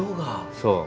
そう。